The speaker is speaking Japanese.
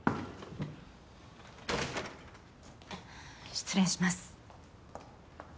失礼します。